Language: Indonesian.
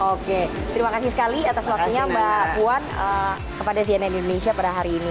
oke terima kasih sekali atas waktunya mbak puan kepada cnn indonesia pada hari ini